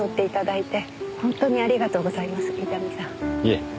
いえ。